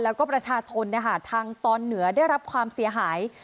แล้วก็ประชาชนทางตอนเหนือได้รับความเสียหาย